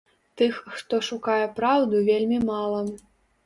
Тых, хто шукае праўду, вельмі мала.